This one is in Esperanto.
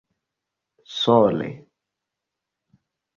sole